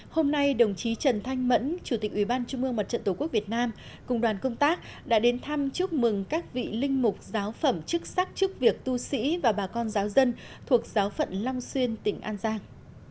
hôm nay đồng chí trần thanh mẫn chủ tịch ủy ban trung mương mặt trận tổ quốc việt nam cùng đoàn công tác đã đến thăm chúc mừng các vị linh mục giáo phẩm chức sắc trước việc tu sĩ và bà con giáo dân thuộc giáo phận long xuyên tỉnh an giang